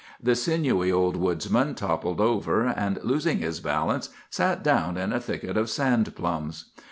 The sinewy old woodsman toppled over, and, losing his balance, sat down in a thicket of sand plums.